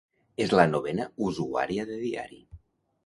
És la novena usuària de diari.